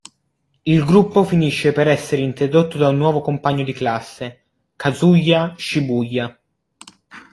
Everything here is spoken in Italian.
Il gruppo finisce per essere interrotto da un nuovo compagno di classe, Kazuya Shibuya.